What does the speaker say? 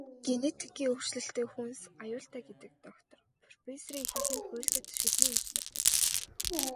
Генетикийн өөрчлөлттэй хүнс аюултай гэдэг доктор, профессорын ихэнх нь хуульчид, шүдний эмч нар байдаг.